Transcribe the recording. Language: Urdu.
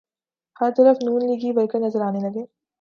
ہر طرف نون لیگی ورکر نظر آنے لگے۔